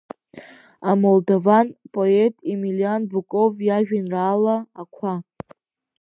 Амолдован поет Емелиан Буков иажәеинраала Ақәа…